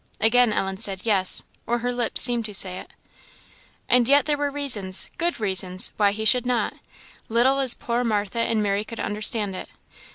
Again Ellen said, "Yes," or her lips seemed to say it. "And yet there were reasons, good reasons, why he should not, little as poor Martha and Mary could understand it.